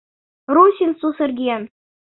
Русин сусырген.